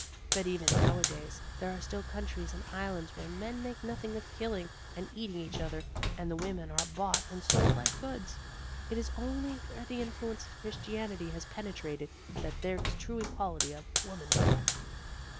But even now a days there are still countries and islands where men make nothing of killing and eating each other, and the women are bought and sold like goods. It is only where the influence of Christianity has penetrated, that there is true equality of womanhood.